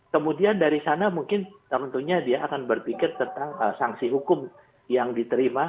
kemudian dari sana mungkin tentunya dia akan berpikir tentang sanksi hukum yang diterima